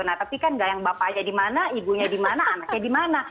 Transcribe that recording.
nah tapi kan gak yang bapaknya di mana ibunya di mana anaknya di mana